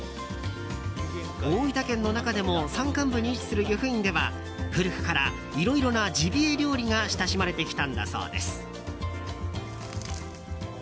大分県の中でも山間部に位置する由布院では古くからいろいろなジビエ料理が親しまれてきたんだそうです。